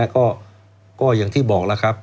ก็อย่างที่บอกแล้วครับ